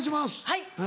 はい。